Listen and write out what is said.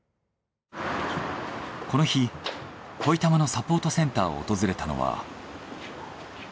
この日恋たまのサポートセンターを訪れたのは。